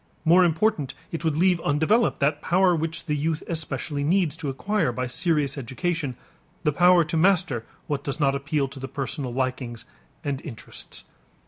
More important, it would leave undeveloped that power which the youth especially needs to acquire by serious education, the power to master what does not appeal to the personal likings and interests.